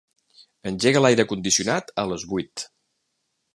Engega l'aire condicionat a les vuit.